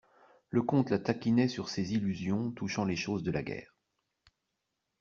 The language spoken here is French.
Le comte la taquinait sur ses illusions touchant les choses de la guerre.